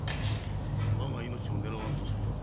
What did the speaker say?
我が命を狙わんとする輩